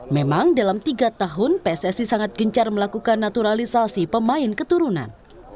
memang dalam tiga tahun pssi sangat gencar melakukan naturalisasi pemain keturunan